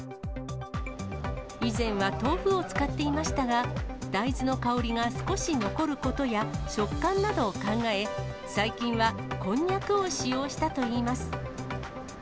以前は豆腐を使っていましたが、大豆の香りが少し残ることや、食感などを考え、最近はこんにゃくを使用したといいます。